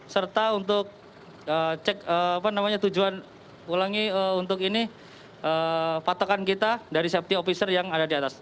serta untuk cek tujuan ulangi untuk ini patokan kita dari safety officer yang ada di atas